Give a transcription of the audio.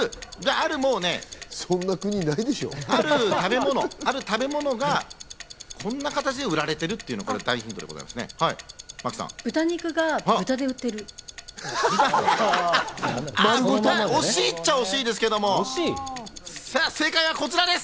ある食べ物がこんな形で売られてるっていうのが第２ヒントです。